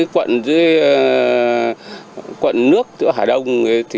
quận nước hà đông